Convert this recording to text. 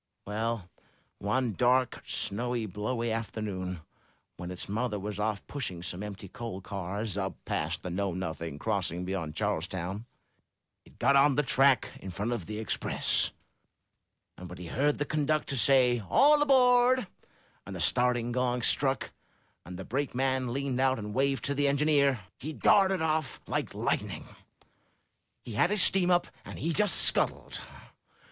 *'Well, one dark, snowy, blowy afternoon, when his mother was off pushing some empty coal cars up past the Know Nothing crossing beyond Charlestown, he got on the track in front of the Express, and when he heard the conductor say 'All aboard,' and the starting gong struck, and the brakeman leaned out and waved to the en gineer, he darted off like lightning. He had his steam up, and he just scuttled.